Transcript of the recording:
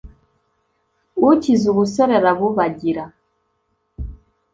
ukize ubusore arabubagira